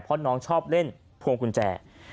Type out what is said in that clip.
เพราะน้องชอบเล่นพวงกุญแจ